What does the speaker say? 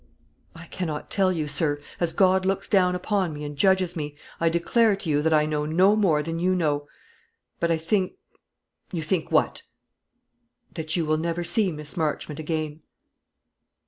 "I cannot tell you, sir. As God looks down upon me and judges me, I declare to you that I know no more than you know. But I think " "You think what?" "That you will never see Miss Marchmont again."